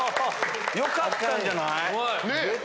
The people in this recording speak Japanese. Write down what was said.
よかったんじゃない？ねぇ！